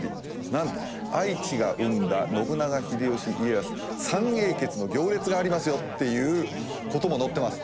なんと愛知が生んだ信長秀吉家康三英傑の行列がありますよっていう事も載ってます。